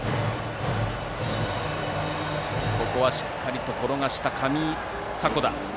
しっかりと転がした上迫田。